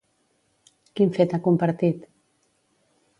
Quin fet ha compartit?